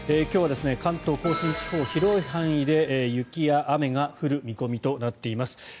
今日は関東・甲信地方広い範囲で雪や雨が降る見込みとなっています。